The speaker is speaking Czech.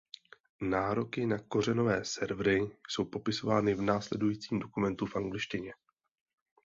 Nároky na kořenové servery jsou popisovány v následujícím dokumentu v angličtině.